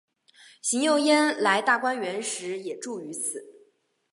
邢岫烟来大观园时也住于此。